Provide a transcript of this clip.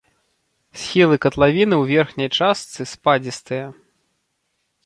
Схілы катлавіны ў верхняй частцы спадзістыя.